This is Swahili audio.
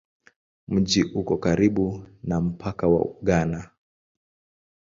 Mji uko karibu na mpaka wa Ghana.